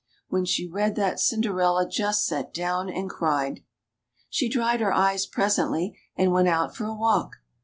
When she read that, Cinderella just sat down and cried. She dried her eyes presently, and went out for a walk.